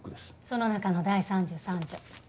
その中の第３３条。